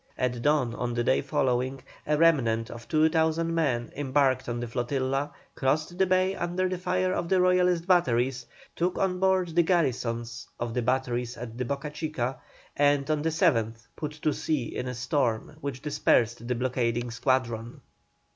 At dawn on the day following, a remnant of two thousand men embarked on the flotilla, crossed the bay under the fire of the Royalist batteries, took on board the garrisons of the batteries at the Boca Chica, and on the 7th put to sea in a storm which dispersed the blockading squadron.